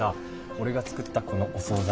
俺が作ったこのお総菜